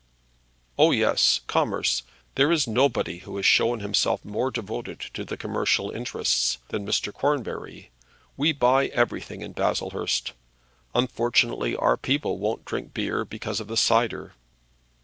"Oh, yes; commerce! There is nobody who has shown himself more devoted to the commercial interests than Mr. Cornbury. We buy everything in Baslehurst. Unfortunately our people won't drink beer because of the cider."